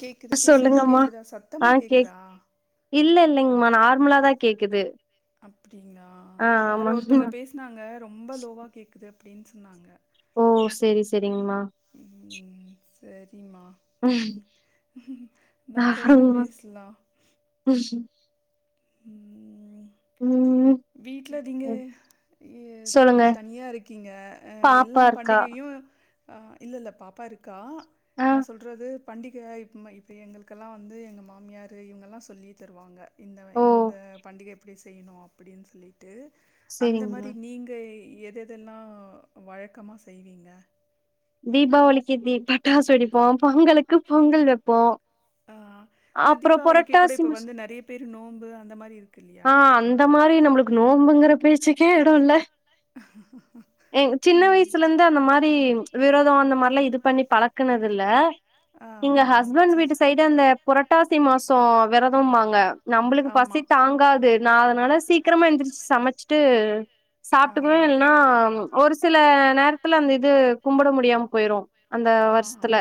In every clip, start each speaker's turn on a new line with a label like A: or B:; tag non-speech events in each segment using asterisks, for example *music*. A: கேக்குதா நா பேசுறது
B: சொல்லுங்கம்மா
A: கேக்குதா சத்தமா
B: ஆ கேக்
A: கேக்குதா
B: இல்ல இல்லைங்கம்மா
A: இல்லல்லங்க
B: நார்மலா தான்
A: நார்மலாதா கேக்குது அப்படிங்களா
B: ஆ
A: வேற ஒருத்தங்க
B: ஆமாங்கம்மா
A: பேசி னாங்க ரொம்ப லோவா கேட்குது அப்டின்னு சொன்னாங்க
B: ஓ சேரி சேரிங்கமா
A: ம் சேரிம்மா ம் வேற என்ன பேசலா
B: ம்ம்
A: ம்
B: ம்
A: வீட்டுலதிங்க இ
B: சொல்லுங்க
A: இப்ப தனியா இருக்கீங்க ஆ
B: பாப்பா
A: எல்லா
B: இருக்கா
A: பண்டிகையு ஆ இல்ல இல்ல பாப்பா இருக்கா
B: ஆ
A: நான் சொல்றது பண்டிகை இப்ப இப்ப எங்களுக்கெல்லா வந்து எங்க மாமியார் இவங்கல்லா சொல்லி தருவாங்க இந்த
B: ஓ
A: இந்த பண்டிகை எப்டி செய்யணு அப்டின்னு சொல்லிட்டு அந்த
B: செரிங்கம்மா
A: மாரி நீங்க எதெதெல்லா வழக்கமா செய்வீங்க
B: தீபாவளிக்கு தீ பட்டாசு வெடிப்போ பொங்கலுக்கு பொங்கல் வைப்போ
A: ஆ இல்ல தீபாவளிக்கு கூட இப்ப வந்து நெறைய பேர் நோம்பு அந்த மாரி இருக்கு இல்லையா
B: இந்த மாரி நம்பளுக்கு நோன்ம்புங்கிற பேச்சுக் கே எடோ இல்ல
A: ம்
B: சின்ன வயசுல இருந் த மாரி விரதோ அந்த மாரிலா இது பண்ணி பழக்குனது இல்ல
A: ஆ
B: எங்க
A: ஆ
B: ஹஸ்பண்ட் வீட்டு சைடு
A: செரி
B: அந்த புரட்டாசி மாசோ விரதம் ம்பாங்க நம்பளுக்கு
A: ஆமா
B: பசி தாங்காது நா அதுனால சீக்கிரமா எந்திரிச்சு சமச்சிட்டு
A: ஆ
B: சாப்டுருவே இல்லன்னா ஒரு சில நேரத்துல அந்த இது கும்பிட முடியாம போயிரு அந்த
A: ஆ ஆ
B: வருஷத்துல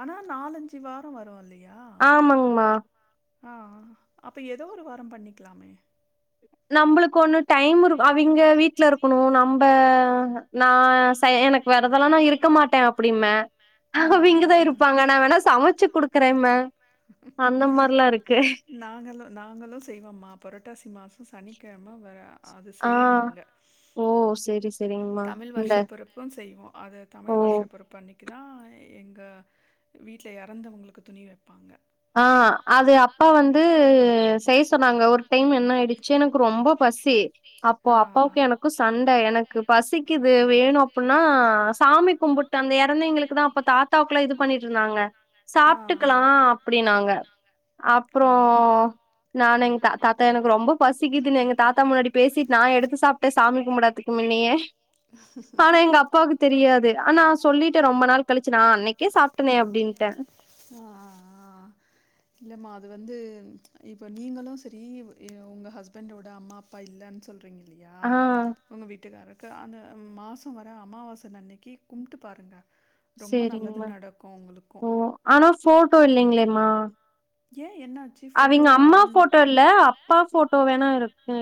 A: ஆனா நாலஞ்சு வாரம் வரு இல்லையா
B: ஆமாங்மா
A: ஆமா ஆமா ஆ அப்போ ஏதோ ஒரு வாரோ பண்ணிக்கலாமே
B: நம்பளுக்கு ஒண்ணு டைம் இரு அவிங்க வீட்டு்ல இருக்கணு நம்ப நா ச எனக்கு வெரதெல்லா நா இருக்க மாட்டே அப்டிம
A: ஆ
B: அவ இங்கதா இருப்பாங்க நா வேணா சமச்சு குடுக்குறேம்ம அந்த மாரிலா இருக்கு
A: நாங்களு நாங்களு செய்வோம்மா புரட்டாசி மாசோ சனிக்கெழமை வெர அது
B: ஆ
A: செய்வோ நாங்க
B: ஓ செரி செ
A: தமிழ் வருஷ பொறப்பும் செய்வோ அது தமிழ்
B: ஓ
A: வருஷ பொறப் பன்னைக்கு தா எங்க வீட்ல இறந்தவங்களுக்கு துணி வப்பாங்க
B: ஆ அது அப்பா வந்து செய்ய சொன்னாங்க ஒரு டைம் என்ன ஆயிடுச்சு எனக்கு ரொம்ப பசி அப்போ
A: ஆ
B: அப்பாவுக்கு எனக் கு சண்ட எனக்கு பசிக்குது வேணு அப்புன்னா சாமி கும்பிட்டு அந்த இறந்தைங்களுக்கு தா அப்ப தாத் தாவுக்குல இது பண்ணிட்டு இருந்தாங்க
A: ஆ
B: சாப்ட்டுக்கலா அப்டினாங்க அப்றோ
A: ஆ
B: நானெங் தா தாத்தா எனக்கு ரொம்ப பசிக்குதுனு எங்க தாத்தா முன்னாடி பேசிட் நா எடுத்து சாப் ட்டு சாமி கும்டதுக்கு முன்னயே பானா எங்க அப்பாவுக்கு தெரியாது ஆனா சொல்லிட்டே ரொம்ப நாள் கழிச்சு நா அன்னைக்கே சாப்ட்டனே அப்டின்டே
A: ஆ ஆ ஆ இல்லம்மா அது வந்து இப்போ நீங்களு சரி எ உங்க ஹஸ்பண்டோட அம்மா அப்பா இல்லன் சொல்றீங்க இல்லையா
B: ஆ
A: உங்க வீட்டுக்காரர் க்கு அந்த மாசோ வர அமாவாசன் அன்னைக்கு கும்ட்டு பாருங்க ரொம்ப நல்லது
B: சேரிங்கமா
A: நடக்கும் உங்களுக்கும்
B: ஓ ஆனா ஃபோட்டோ இல்லேங்ளேமா
A: ஏ என்னாச்சு ஃபோட்டோ
B: அவிங்க அம்மா
A: அவங்க
B: போட்டோ இல்ல அப்பா போட்டோ வேணா இருக்கு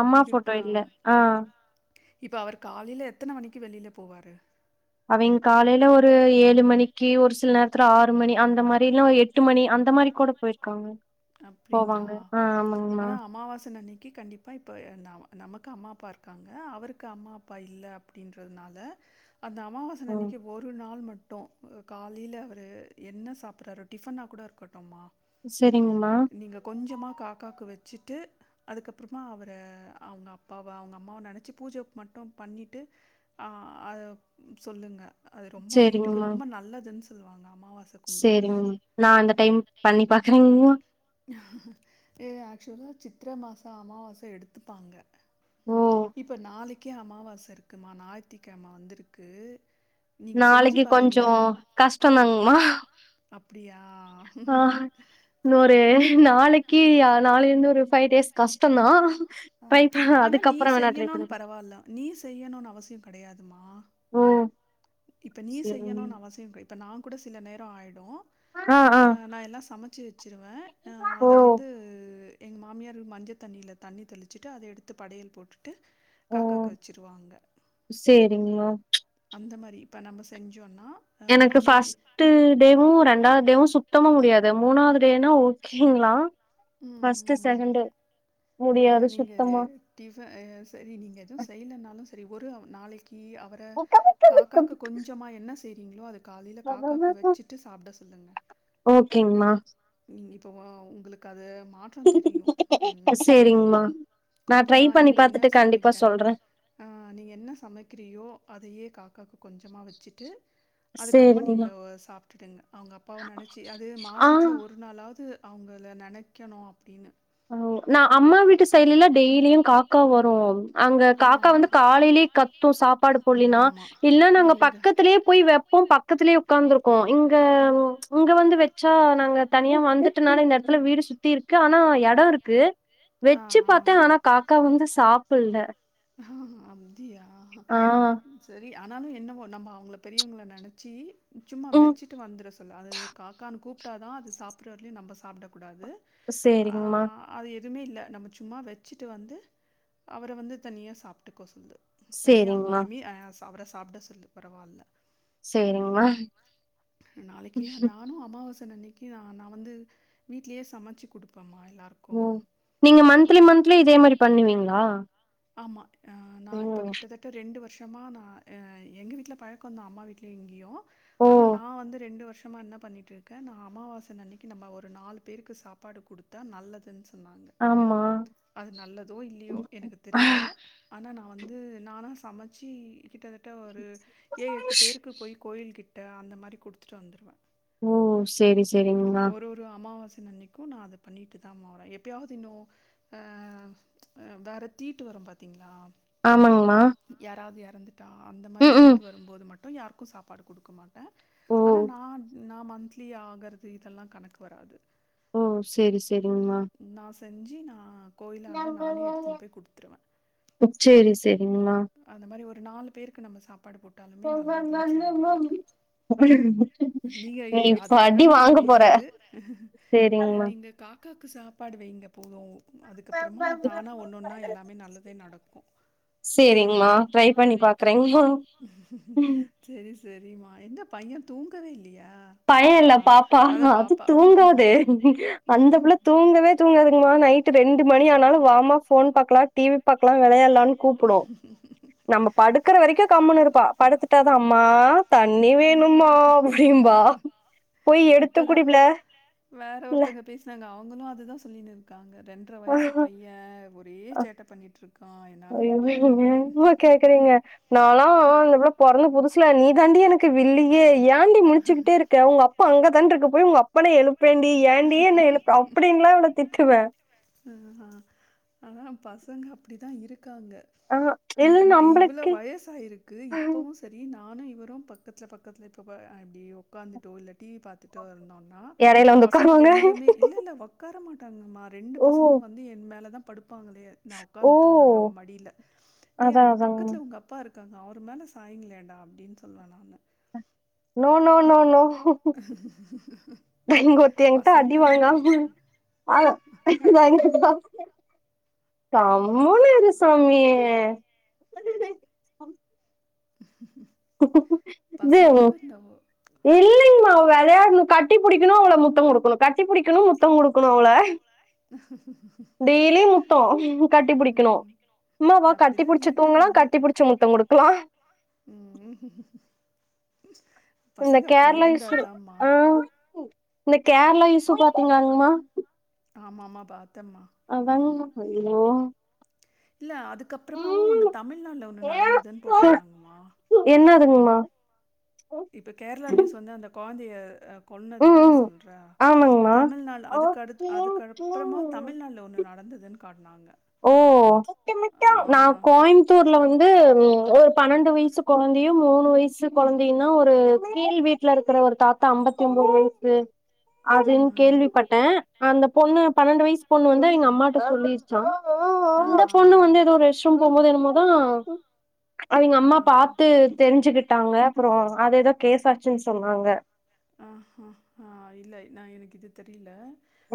B: அம்மா போட்டோ
A: இருக்கா
B: இல்ல ஆ
A: இப்ப அவரு காலைல எத்தன மணிக்கு வெளில போவாரு
B: அவிங் காலைல ஒரு ஏழு மணிக்கு ஒரு சில நேர்த்துல ஆறு மணி அந்த மாரிலா எட் டு மணி அந்த மாரி கூட போய்ருக்காங்க
A: அப்டிங்களா ஆனா அமாவாசன் அன்னைக்கு கண்டிப் ப்ப இப்போ எ ந நமக்கு அம்மா அப்பாருக்காங்க அவருக்கு அம்மா அப்பா இல்ல அப்டின்றனால அந்த அமாவாசன்
B: ம்
A: அன்னைக்கு ஒரு நாள் மட்டு காலேல அவரு என்ன சாப்ட்றாரோ டிஃபனா கூட இருக்கட்டுமா
B: செரிங்மா
A: நீங்க கொஞ்சமா காக்காக்கு வச்சுட்டு அதுக்கப்றோ மா அவர அவுங்க அப்பாவ அவுங்க அம்மாவ நெனச்சு பூஜ மட்டு பண்ணிட்டு ஆ அது சொல்லுங்க அது ரொம்ப வீட்டுக்கு ரொம்ப நல்லதுன் சொல்லுவாங்க அமாவாச
B: சேரிங்மா நா அந்த டைம் பண்ணி பாக்றேங்மா
A: ஏ ஆக்சுவலா சித்ர மாச அம்மாவாச எடுத்துப்பாங்க
B: ஓ
A: ம் இப்ப நாளைக்கே அம்மாவாச இருக்குமா ஞாய்த்திக்கெழம வந்துருக்கு
B: நாளைக்கு கொஞ்சோ கஷ்டோ தாங்மா
A: அப்டியா
B: ஆ இன்னொரு நாளைக்கி அ நாளை இருந்து ஒரு ஃபைவ் டேஸ் கஷ்டந்தா
A: ஆ
B: ட்ரை ப
A: ஆனா நீ
B: அதுக்கப்புறோ வேணா ட்ரை பண்ணி
A: செய்யணுன்
B: பாக்
A: பரவால நீ செய்யணுன் அவசியோ கெடையாதுமா
B: ஓ
A: இப்ப நீ
B: சேரிங்க
A: செய்யணுன் அவசியோ கை இப்ப நா கூட சில நேரோ ஆய்டு
B: ஆ ஆ
A: அ நா எல்லா சமச் ச்சு வச்சுருவே நா
B: ஓ
A: அத வந்து எங்க மாமியாரு மஞ்ச தண்ணில தண்ணி தெளிச்சிட்டு அத எடுத்து படையல் போட்டுட்டு
B: ஓ
A: காக்காக்கு வச்சிருவாங்க
B: சேரிங்க
A: சேரி
B: மேம்
A: அந்த மாரி இப்ப நம்ம செஞ்சோனா
B: எனக்கு ஃபஸ்ட்டு டேவு ரெண்டாது டேவு சுத்தமா முடியாது மூணாவது டேனா ஓகேங்களா
A: ம், ம்.
B: ஃபஸ்ட் செகண்டு்
A: இல்ல
B: முடியாது
A: நீங்க இது
B: சுத்தமா
A: டிஃப அ செரி நீங்க எது செய்லேனாலு செரி ஒரு நாளைக்கி அவர் க காக்காக்கு கொஞ்சோமா என்ன செய்றீங்ளோ அது காலேல காக்காக்கு வச்சுட்டு சாப்ட சொல்லுங்க
B: ஓகேங்மா
A: நீங்க இப்ப மா உங்களுக் அது மாற்றோ தெரியு
B: சேரிங்மா
A: சேரிங்
B: நா ட்ரை
A: கொஞ்சமா
B: பண்ணி
A: நீ என்ன
B: பாத்துட்டு
A: சமைக்குற கண்டிப்பா
B: சொல்றே
A: சொல் ஆ நீங்க என்ன சமைக்கிறீயோ அதையே காக்காக்கு கொஞ்சமா வச்சுட்டு அதுக்கப்மா நீங்க
B: சேரிங்மா
A: ஒ சாப்ட்டுடுங்க அவங்க அப்பாவ நெனச்சு அது
B: ஆ
A: மாசத்ல ஒரு ஒரு நாளாவ்து அவங்கள நெனைக்கணு அப்டின்னு
B: அ நா அம்மா வீட்டு சைட்லலா டெய்லியு காக்கா வரு அங்க காக்கா வந்து காலேலே கத்து சாப்பாடு போட்லீனா இல்ல நாங்க பக்கத்துலே போய் வெப் போம் பக்கத்துலயே உக்காந்துருக்கோ இங்க ம் இங்க வந்து வச்சா நாங்க தனியா வந்து ட்டனால இந்த எடத்துல வீடு சுத்தி இருக்கு ஆனா யார் க்கு
A: ஆ
B: வெச்சு பாத்தே ஆனா காக்கா வந்து சாப்புட்ல
A: ஆ அப்டியா செரி ஆனாலு என்னவோ நம்ம அவங்கள பெரியவங்கள நெனச்சி சும்மா
B: ம்
A: வச்சிட்டு வந்துறச் சொல்லு அது காக்கான்னு கூப்ட்டா தா அது சாப்பிட்ற வரேலயும நம்ப சாப்பிடக்கூடாது
B: சேரிங்ம்மா
A: அது எதுவுமே இல்ல நம்ம சும்மா வச்சிட்டு வந்து அவர வந்து தனியா சாப்பிட்டுக்கோ சொல்லு தனியா
B: சேரிங்மா
A: ஐ மீன் அ அவர சாப்ட சொல்லு பரவால்ல ம்
B: சேரிங்மா
A: நாளைக்கே நா நானு அமாவாசன் அன்னைக்கு நா நா வந்து வீட்லயே சமச்சு குடுப்பம்மா எல்லாருக்
B: ஒ நீங்க மந்த்லி மந்த்லி இதே மாறி பண்ணுவீங்ளா
A: ஆமா அ நா இப்போ கிட்டத்தட்ட ரெண்டு வருஷோ மா நா எங்க வீட்ல பழக்கந்தா அம்மா வீட்டுலேயு இங்கேயு
B: ஓ
A: ஆனா நா வந்து ரெண்டு வருஷோ மா நா பண்ணிட்டு இருக்கே நா அமாவாச அன்னைக்கு நம்ம ஒரு நாலு பேருக்கு சாப்பாடு குடுத்தா நல்லதுன் சொல் வாங்க
B: ஆமா
A: அது நல்லதோ இல்லையோ எனக்கு தெரியலே ஆனா நா வந்து நானா சமச்சு எங்கிட்ட கிட்ட ஒரு ஏழு எட்டு பேருக்கு போயி கோயில் கிட்ட அந்த மாதிரி குடுத்துட்டு வந்துருவே
B: ஓ செரி செரிங்கம்மா
A: ஒரு அமாவாசன் அன்னைக்கு நா அதப் பண்ணிட்டு தா மா வரேன் எப்பயாவது இன்னும் அ அ வேற தீட்டு வரு பார்த்தீங்ளா
B: ஆமாங்ம்மா
A: யாராவது எறந்துட்டா அந்த மாதிரி தீட்டு வரும்போது மட்டு யாருக்கு சாப்பாடு குடுக்க மாட் டே
B: ஓ!
A: ஆனா நா நா மந்த்லி ஆகுறது இதெல்லா கணக்கு வராது
B: ஓ செரி செரிங்ம்மா
A: நா செஞ்சு நா கோயிலாண்ட நானே எடுத்துன் போய் குடுத்துருவே
B: சரி, சரிங்கம்மா.
A: சேரிங்க அந்த மாதிரி ஒரு நாலு பேருக்கு நம்ம சாப்பாடு போட் டாலுமே நல்லதுன் சொல்லுவாங்க டி ஐ
B: நீ
A: யார்
B: இப்ப
A: அது
B: அடி
A: பண்ணனுன்
B: வாங்க போற.
A: கெடையாது
B: சரிங்கம்மா.
A: நீங்க காக்காக்கு சாப்பாடு வைங்க போது அதுக்கப்பறமா தானா ஒன்னொன்னா எல்லாமே நல்லதே நடக்கு சேரிங்கம்மா ட்ரை பண்ணி பாக்குறேங்மா செரி செரிமா என்ன பைய தூங்கவே இல்லயா
B: பைய இல்ல பாப்பா அது தூங்காது அந்த புள்ள தூங்கவே தூங்காதுங்கம்மா நைட்டு ரெண்டு மணி ஆனாலு வாம்மா ஃபோன் பாக்கலா டிவி பாக்கலா வெளையாடலானு கூப்டும் நம்ம படுக்கற வரைக்கு கம்முன்னு இருப்பா படுத்துட்டா தா அம்மா தண்ணி வேணும்மா அப்பிடிம்பா
A: இப்பதாங்க வேற
B: இல்ல.
A: ஒருத்தங்க பேசி நாங்க அவங்களு அது தா சொல்லினு இருக்காங்க ரெண்ட்ர வயசு பைய ஒரே சேட்ட பண்ணிட்ருக் க்கா என்னால முடில *inaudible*
B: நால்லா இந்தப்புள்ள பொறந்த புதுசுல நீ தாண்டி எனக்கு வில்லியே ஏண்டி முழிச்சுக்கிட்டே இருக்க உங்க அப் அப்பா அங்க தான்ட்டு இருக்கு போய் உங்க அப்பன எழுப்பேண்டி ஏண்டி என்னைய எழுப்புற அப்டின்லா இவள திட்டுவ
A: ஆனா நம்ம பசங்க அப்டித்தா இருக்காங்க
B: ஆ இல்ல
A: இம்மா இவ்ளோ
B: நம்மளுக்கு
A: வயசாயிருக்கு இப்பவு ஸ் சரி நானு இவரு பக்கத்ல பக்கத்ல இப்போ ப இப்டி உக்காந்துட்டோ இல்ல டி வி பாத்து ட்டோ இருந்தோனா
B: இடையில வந்து
A: பசங்க
B: உட்காருவாங்க.
A: ரெண்டுமே இல்ல இல்ல ஒக்கார மாட்டாங்கமா ரெண்டு
B: "ஓ!
A: பசங்களு வந்து என் மேலே தா படுப்பாங்களே நா
B: ஓ!
A: உக்காந்துட்டு இருந்தேனா அவன் மடில டேய்
B: அதான்
A: அங்க
B: அதாங்க.
A: பக்கத்ல உங்க அப் ப்பா இருக்காங்க அவர் மேல சாயுங்களேன்டா அப்டின்னு சொல்வ நானு
B: நோ நோ நோ நோ தா இங்க ஒருத்தி எங்கிட்ட
A: பசங்க
B: அடி
A: அப்படி.
B: வாங்காம ஆஹ் கண்டிப்பா கம்முன்னு இரு சௌமி இதோ
A: பசிக்குதோ என்னவோ?
B: இல்லைங்மா அவ வெளையாணு கட்டி புடிக்கணு அவள முத்த குடுக்கணு கட்டி புடிக்கணு முத்த குடுக்கணு அவள டெய்லி முததோ கட்டி புடிக்ணு
A: ம்.
B: அம்மா வா கட்டி
A: அப்படிதான்
B: புடிச்சு தூங்கலா
A: இருக்காங்க.
B: கட்டி புடிச்சு முத்த குடுக்லா
A: ம்
B: இந்த
A: பசங்க அப்டி
B: கேர்ளா இஸு
A: இருந்தாதாம்மா
B: ஆ இந்த கேர்ளா இஸு பாத்திங்ளாமா
A: ஆமா மா பாத்தன்மா
B: அதாங்மா அய்யயோ
A: இல்ல அதுக்கப்றமாவு ஒன்னு தமிழ்நாட்ல ஒண்ணு நடந்ததுன் போட்ருந்தங்கமா
B: இல்ல
A: இப்ப கேர்ளா நியூஸ் வந்து அந்த கொழந்தய கொன்னது
B: ம்
A: தான
B: ம்
A: சொல்ற
B: ஆமாங்மா
A: தமிழ்நாட்ல அதுக்கடுத் அதுக்கப்றமா தமிழ்நாடுல ஒன்னு நடந்ததுன் காட்னாங்க
B: ஓ
A: ஆ
B: நா கோய்ம் புத்தூர்ல வந்து ஒரு பன்னண்டு வயசு கொழந்தையு மூணு வயசு கொழந்தையு தா ஒரு கீழ் வீட் ல இருக்குற ஒரு தாத்தா அம்பத்தி ஒம்போது வயசு அதுன்
A: ம் ம்
B: கேள்விப்பட்ட அந்த பொண்ணு பன்னண்டு வயசு பொண்ணு வந்து இங்க அம்மாட்ட சொல்லி
A: ஆ
B: இந்த பொண்ணு
A: ஆ
B: வந்து ஏதோ ஒரு ரெஸ்ட்ரூம் போம்போது என்னமோ தா அவிங்க அம்மா
A: ம்
B: பாத்து தெரிஞ்சுகிட்டாங்க அப்றோ அது எதோ கேஸ் ஆச்சுன் சொன்னாங்க
A: ஆ ஹ ஹ ஹ இல்ல நா எனக்கு இது தெரில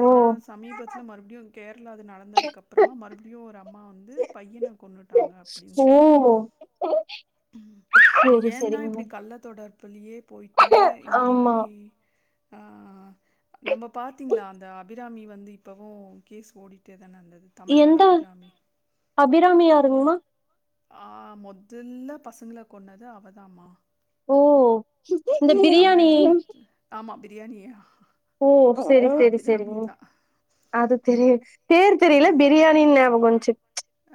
B: ஓ
A: ஆனா சமீபத்ல மறுபடியு கேர்ளா அது நடந்ததுக்கப்றமா மறுபடியு ஒரு அம்மா வந்து பையன கொன்னுட்டாங்க அப்டின்
B: ஓ
A: சொல்லி
B: செரி
A: ஏதான் இப்டி
B: செரிங்கம்மா
A: கள்ள தொடர் பிலியே போய்ட்டு இந்த
B: ஆமா
A: மாரி ஆ நம்ப பாத்திங்ளா அந்த அபிராமி வந்து இப்பவு கேஸ் ஓடிட்டேதானே இருந்தது தமிழ்நாடு
B: எந்த
A: அபிராமி
B: அபிராமி யாருங்மா
A: ஆ மொதல்ல பசங்கள கொன்னது அவதாம்மா
B: ஓ இந்த பிரியாணி
A: தமிழ்நாடுல ஆமா பிரியாணி
B: ஓ செரி செரி செரிங்க அது தெரிய பேர் தெரில
A: அது
B: பிரியாணின் ஞாபக வன்ச்சு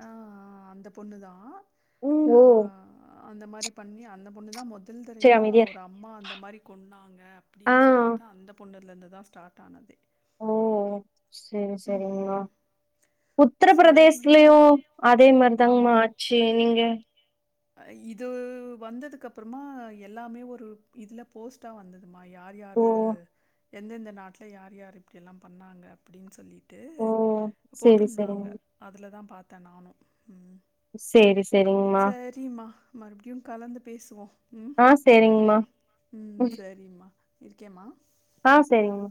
A: ஆ ஆ அந்த பொண்ணுதா
B: ஓ
A: ஆ அந்த மாரி பண்ணி அந்த பொண்ணுதா மொதல்
B: செரி
A: தறவயா
B: அமைதியா இரு
A: ஒரு அம்மா அந்த மா ரி கொன்னாங்க
B: ஆ
A: அப்டின் சொல்றது அந்த பொண்ணுலருந்துதா ஸ்டார்ட் ஆனதே
B: ஓ சேரி சேரிங்மா
A: ம் சேரி
B: உத்ரபிரதேசலயு அதே மாரி
A: ஆமா
B: தாங்மா ஆச்சு நீங்க
A: இது வந்ததுக்கு அப்றமா எல்லாமே ஒரு இதுல போஸ்ட்டா வந்ததுமா யார்
B: ஓ
A: யாரு எந்தெந்த நாட்ல யார் யார் இப்டி எல்லா பண்ணாங்க அப்டின் சொல்லி ட்டு
B: ஓ செரி
A: போட்ருந்தாங்க
B: செரிங்க
A: அதுலதா பாத்தே நானு ம்
B: சேரி
A: சரிம்மா மறுபடியு கலந்து பேசுவோ ம்
B: ஆ செரிங்கமா
A: ம் சரிம்மா இருக்கேமா
B: ஆ சரிங்